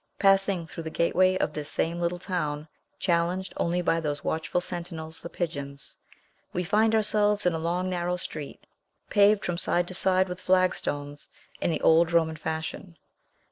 Passing through the gateway of this same little town, challenged only by those watchful sentinels, the pigeons, we find ourselves in a long, narrow street, paved from side to side with flagstones, in the old Roman fashion.